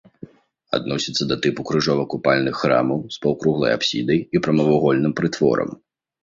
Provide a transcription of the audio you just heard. Адносіцца да тыпу крыжова-купальных храмаў з паўкруглай апсідай і прамавугольным прытворам.